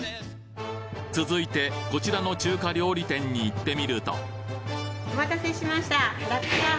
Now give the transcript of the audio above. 続いてこちらの中華料理店に行ってみるとお待たせしました。